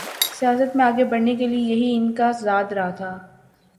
سیاست میں آگے بڑھنے کے لیے یہی ان کا زاد راہ تھا۔